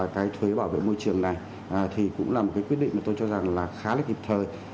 cái thuế bảo vệ môi trường này thì cũng là một cái quyết định mà tôi cho rằng là khá là kịp thời